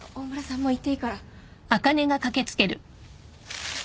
もう行っていいから。